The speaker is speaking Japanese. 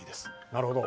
なるほど。